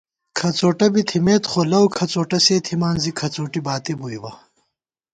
کھڅوٹہ بی تھِمېت خو لَؤ کھڅوٹہ سے تھِمان زی کھڅوٹی باتی بُوئیبہ